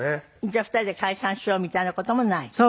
じゃあ２人で解散しようみたいな事もない？